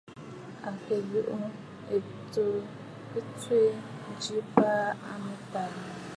À kɨ̀ yùû ɨ̀tǐ mbwɛ̀ ji baa a mɨtaa.